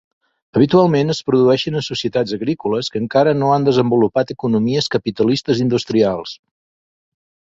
Habitualment es produeixen en societats agrícoles que encara no han desenvolupat economies capitalistes industrials.